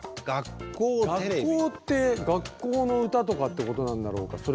「学校」って学校のうたとかってことなんだろうか？